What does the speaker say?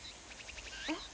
えっ？